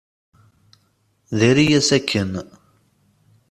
Diri-yas akken.